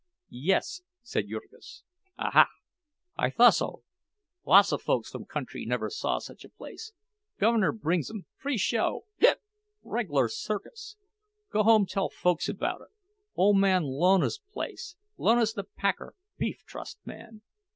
"Yes," said Jurgis. "Aha! I thosso! Lossa folks from country never saw such a place. Guv'ner brings 'em—free show—hic—reg'lar circus! Go home tell folks about it. Ole man Jones's place—Jones the packer—beef trust man.